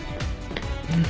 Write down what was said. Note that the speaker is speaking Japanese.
うん。